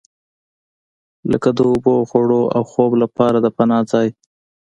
لکه د اوبو، خوړو او خوب لپاره د پناه ځای.